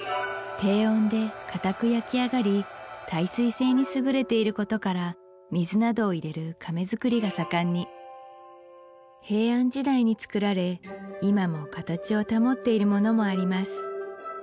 低温で硬く焼き上がり耐水性に優れていることから水などを入れる甕作りがさかんに平安時代に作られ今も形をたもっているものもあります